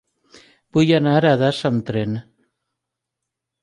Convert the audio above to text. Vull anar a Das amb tren.